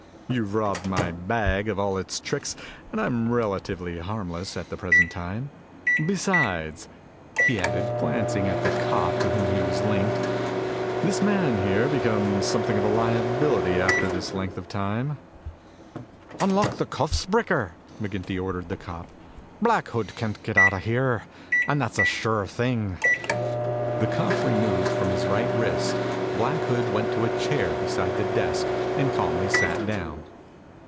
"You've robbed my bag of all its tricks and I'm relatively harmless at the present time. Besides," he added, glancing at the cop to whom he was linked, "this man here becomes something of a liability after this length of time." "Unlock the cuffs, Bricker," McGinty ordered the cop. "Black Hood can't get out of here, and that's a sure thing." The cuff removed from his right wrist, Black Hood went to a chair beside the desk and calmly sat down.